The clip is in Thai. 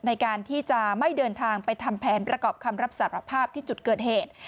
ในการที่จะไม่เดินทางไปทำแผนประกอบคำรับสารภาพที่จุดเกิดเหตุ